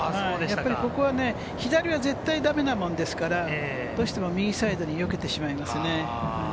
ここは左は絶対駄目なものですから、どうしても右サイドによけてしまいましたね。